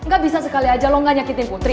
gak bisa sekali aja lo gak nyakitin putri